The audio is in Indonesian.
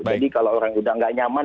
jadi kalau orang udah gak nyaman